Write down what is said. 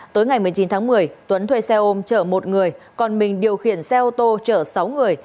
tối ngày một mươi chín tháng một mươi tuấn thuê xe ôm chở một người còn mình điều khiển xe ô tô chở sáu người